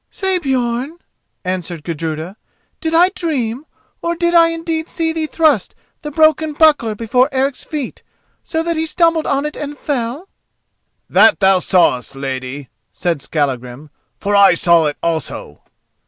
"Say, Björn," answered Gudruda, "did I dream, or did I indeed see thee thrust the broken buckler before Eric's feet, so that he stumbled on it and fell?" "That thou sawest, lady," said Skallagrim; "for I saw it also."